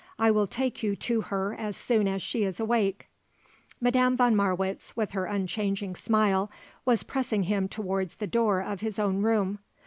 I will take you to her as soon as she is awake." Madame von Marwitz, with her unchanging smile, was pressing him towards the door of his own room.